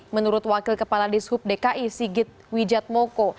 menurut wakil kepala dishub dki sigit wijatmoko